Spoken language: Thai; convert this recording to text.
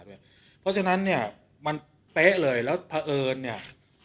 เพราะฉะนั้นเนี่ยมันเป๊ะเลยแล้วเผอิญเนี่ย